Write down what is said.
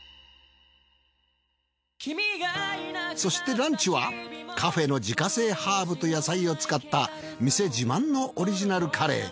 そしてランチはカフェの自家製ハーブと野菜を使った店自慢のオリジナルカレー。